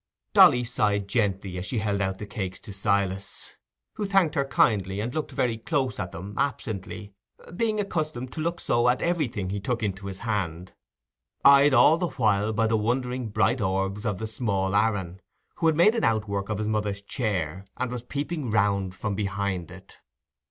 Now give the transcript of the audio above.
Dolly sighed gently as she held out the cakes to Silas, who thanked her kindly and looked very close at them, absently, being accustomed to look so at everything he took into his hand—eyed all the while by the wondering bright orbs of the small Aaron, who had made an outwork of his mother's chair, and was peeping round from behind it.